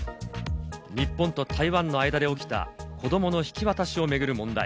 日本と台湾の間で起きた子どもの引き渡しを巡る問題。